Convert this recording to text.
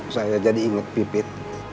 saya jadi inget pipit